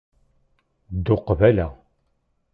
Ddu qbala